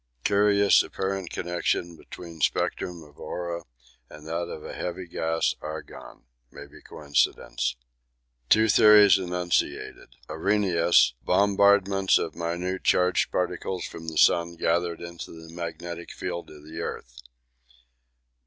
(Curious apparent connection between spectrum of aurora and that of a heavy gas, 'argon.' May be coincidence.) Two theories enunciated: Arrhenius. Bombardments of minute charged particles from the sun gathered into the magnetic field of the earth.